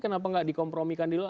kenapa tidak dikompromikan dulu